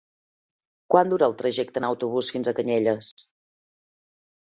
Quant dura el trajecte en autobús fins a Canyelles?